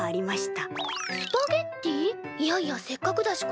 いやいやせっかくだし